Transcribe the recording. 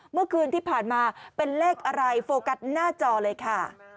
เมื่อคืนที่ผ่านมาเป็นเลขอะไรโฟกัสหน้าจอเลยค่ะ